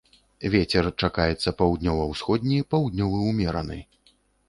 Вецер чакаецца паўднёва-ўсходні, паўднёвы ўмераны.